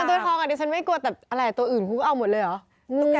ตัวไงเท้ากันดิฉันไม่กลัวแต่ตัวอื่นก็เอาหมดเลยหรอ